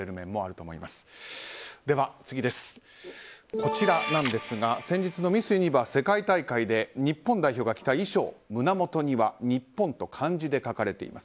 こちらなんですが先日のミス・ユニバース世界大会で日本代表が着た衣装胸元には「日本」と漢字で書かれています。